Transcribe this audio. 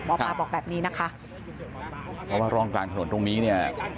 หมอปลาบอกแบบนี้นะคะเพราะว่าร่องกลางถนนตรงนี้เนี่ย